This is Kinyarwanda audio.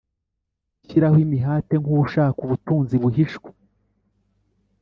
gushyiraho imihate nk ushaka ubutunzi buhishwe